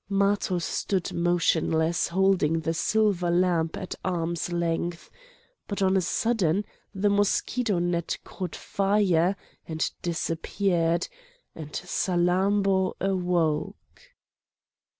Matho stood motionless holding the silver lamp at arm's length; but on a sudden the mosquito net caught fire and disappeared, and Salammbô awoke.